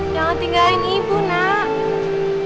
jangan tinggalkan ibu nak